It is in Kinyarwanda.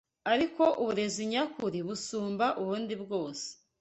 Ariko uburezi nyakuri busumba ubundi bwose